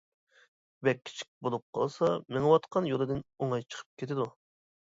بەك كىچىك بولۇپ قالسا، مېڭىۋاتقان يولىدىن ئوڭاي چىقىپ كېتىدۇ.